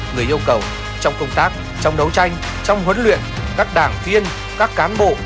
người yêu cầu trong công tác trong đấu tranh trong huấn luyện các đảng viên các cán bộ